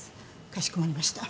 かしこまりました。